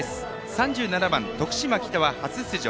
３７番、徳島北は初出場。